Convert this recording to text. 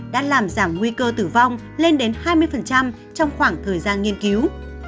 đã làm giảm nguy cơ tử vong lên đến hai mươi trong khoảng thời gian nghiên cứu